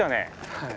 はい。